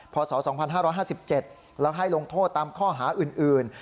พศ๒๕๕๗แล้วให้ลงโทษตามข้อหาอื่น